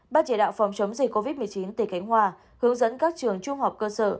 bác chế đạo phòng chống dịch covid một mươi chín tỉ cánh hòa hướng dẫn các trường trung học cơ sở